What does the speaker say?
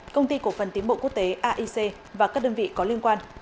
công ty cổ phần tiến bộ quốc tế aic và các đơn vị có liên quan